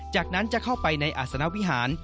จากนั้นจะเข้าไปในอาศนวิหาร